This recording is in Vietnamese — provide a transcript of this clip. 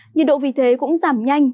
nhiệt độ vì thế cũng giảm nhanh